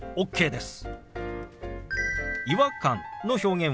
ＯＫです。